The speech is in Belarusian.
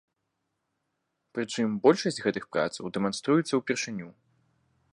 Прычым большасць гэтых працаў дэманструецца ўпершыню.